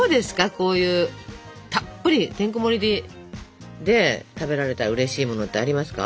こういうたっぷりてんこもりで食べられたらうれしいものってありますか？